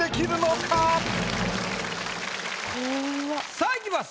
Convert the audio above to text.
さあいきます。